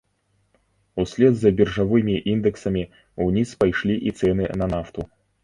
Услед за біржавымі індэксамі ўніз пайшлі і цэны на нафту.